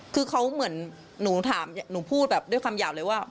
คือเขาเหมือนหนูถามหนูพูดแบบด้วยคำหยาบเลยว่า